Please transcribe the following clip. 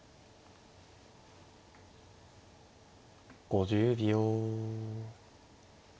５０秒。